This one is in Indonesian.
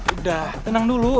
udah tenang dulu